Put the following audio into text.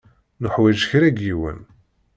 Nuḥwaǧ kra n yiwen.